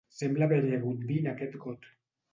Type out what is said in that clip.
Sembla haver-hi hagut vi en aquest got